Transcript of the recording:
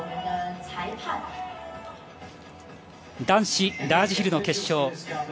男子ラージヒルの決勝。